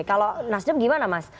kalau nasdem gimana mas